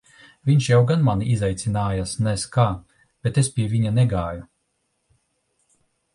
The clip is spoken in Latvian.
Viņš jau gan mani izaicinājās nez kā, bet es pie viņa negāju.